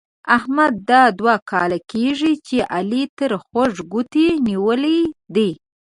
احمد دا دوه کاله کېږي چې علي تر خوږ ګوتې نيولې دی.